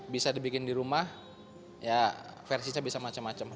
bisa dibikin di rumah ya versinya bisa macam macam